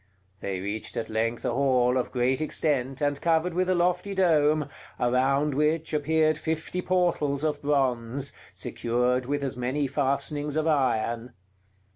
They reached at length a hall of great extent, and covered with a lofty dome, around which appeared fifty portals of bronze, secured with as many fastenings of iron.